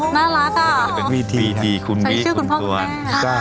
น่ารักอ่ะ